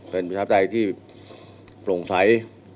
เป็นประชาปไตยที่โปร่งใส